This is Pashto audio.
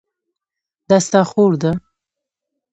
دا ستا خور ده؟